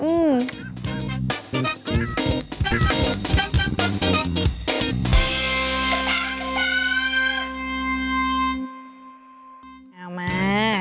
เอามา